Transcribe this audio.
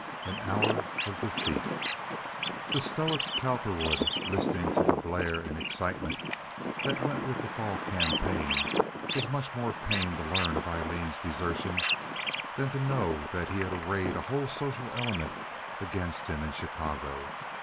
An Hour of Defeat The stoic Cowperwood, listening to the blare and excitement that went with the fall campaign, was much more pained to learn of Aileen's desertion than to know that he had arrayed a whole social element against himself in Chicago.